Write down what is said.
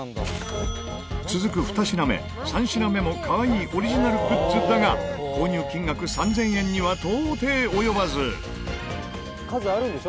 続く２品目、３品目もかわいいオリジナルグッズだが購入金額３０００円には到底及ばずこがけん：「数あるんでしょ？